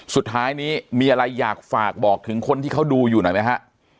สุดท้ายนี้มีอะไรอยากฝากบอกถึงคนที่เขาดูอยู่หน่อยไหมฮะ